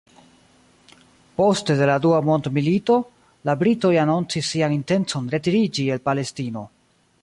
Poste de la Dua Mondmilito, la britoj anoncis sian intencon retiriĝi el Palestino.